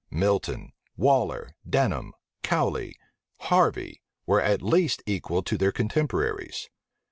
Milton, Waller, Denham, Cowley, Harvey, were at least equal to their contemporaries.